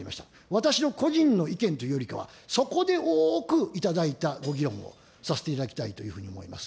私の個人の意見というよりかは、そこで多くいただいたご議論をさせていただきたいというふうに思います。